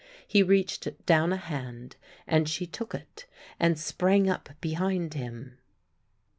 He reached down a hand, and she took it, and sprang up behind him.